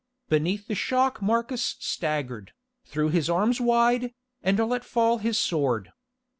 Beneath the shock Marcus staggered, threw his arms wide, and let fall his sword.